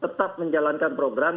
lihatlah kita akan menjalankan program